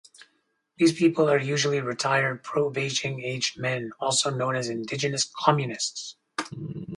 These people are usually retired pro-Beijing aged men, also known as indigenous communists.